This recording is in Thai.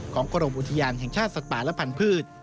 กรมอุทยานแห่งชาติสัตว์ป่าและพันธุ์